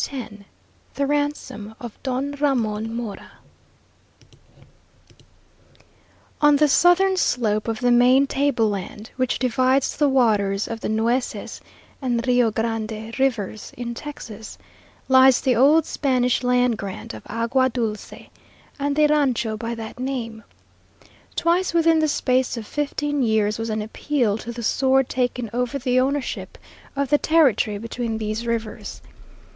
X THE RANSOM OF DON RAMON MORA On the southern slope of the main tableland which divides the waters of the Nueces and Rio Grande rivers in Texas, lies the old Spanish land grant of "Agua Dulce," and the rancho by that name. Twice within the space of fifteen years was an appeal to the sword taken over the ownership of the territory between these rivers.